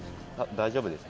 大丈夫です。